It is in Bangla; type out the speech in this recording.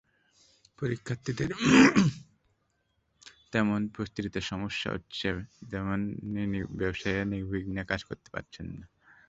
পরীক্ষার্থীদের যেমন প্রস্তুতিতে সমস্যা হচ্ছে, তেমনি ব্যবসায়ীরা নির্বিঘ্নে কাজ করতে পারছেন না।